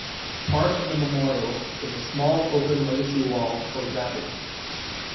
Part of the memorial is a small, open legacy wall for Rabin.